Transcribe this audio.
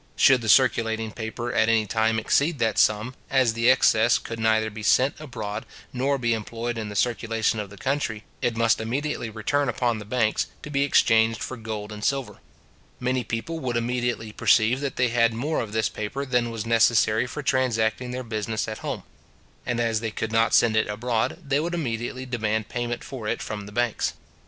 Should the circulating paper at any time exceed that sum, as the excess could neither be sent abroad nor be employed in the circulation of the country, it must immediately return upon the banks, to be exchanged for gold and silver. Many people would immediately perceive that they had more of this paper than was necessary for transacting their business at home; and as they could not send it abroad, they would immediately demand payment for it from the banks.